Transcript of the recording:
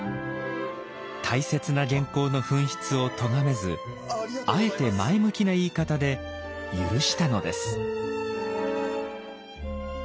大切な原稿の紛失をとがめずあえて前向きな言い方で許したのです。